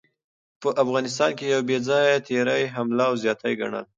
په افغانستان يو بې ځايه تېرے، حمله او زياتے ګڼلو